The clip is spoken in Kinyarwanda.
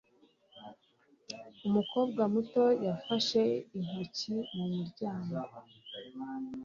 Umukobwa muto yafashe intoki mu muryango.